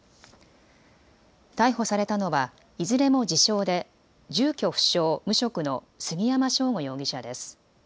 逮捕されたのはいずれも自称で住居不詳、無職の杉山翔吾容疑者です。